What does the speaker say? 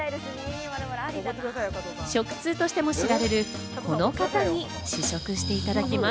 食通としても知られるこの方に試食していただきます。